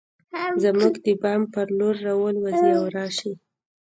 زموږ د بام پر لور راوالوزي او راشي